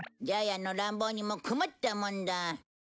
ジャイアンの乱暴にも困ったもんだ。